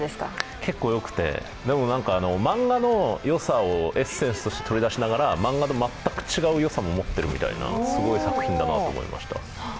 結構よくて、でも漫画のよさをエッセンスとして取り出しながら漫画と全く違うよさも持っていて、すごい作品だなと思いました。